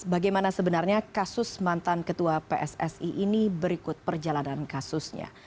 bagaimana sebenarnya kasus mantan ketua pssi ini berikut perjalanan kasusnya